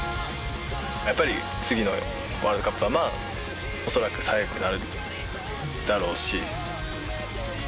やっぱり次のワールドカップは恐らく最後になるだろうし。